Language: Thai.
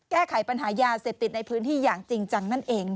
แก้ไขปัญหายาเสพติดในพื้นที่อย่างจริงจังนั่นเอง